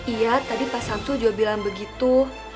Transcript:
iya tadi pak samsul juga bilang begitu